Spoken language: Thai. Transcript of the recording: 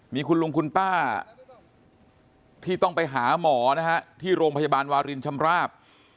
มีคุณลุงคุณป้าที่ต้องไปหาหมอนะฮะที่โรงพยาบาลวารินชำราบ